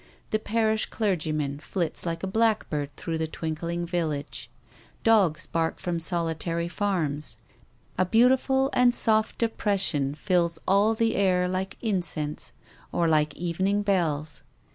The parish clergyman flits likx a blackbird through the twink ling village. Dogs bark from solitar)' farms. A beautiful and soft depression fills all the air like incense or like evening bells.